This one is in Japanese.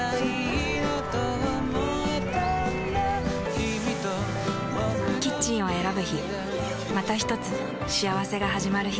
キミとボクの未来だキッチンを選ぶ日またひとつ幸せがはじまる日